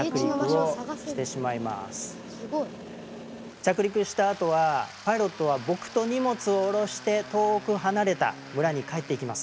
着陸した後はパイロットは僕と荷物を降ろして遠く離れた村に帰っていきます。